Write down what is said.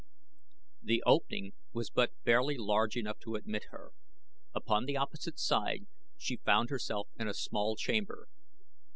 The opening was but barely large enough to admit her. Upon the opposite side she found herself in a small chamber.